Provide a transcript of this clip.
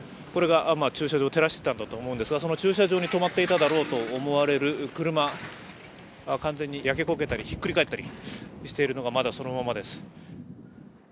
これが駐車場を照らしていたんだと思うんですが、その駐車場に止まっていただろうと思われる車、完全に焼け焦げたり、ひっくり返ったりしているのがまだそのままです。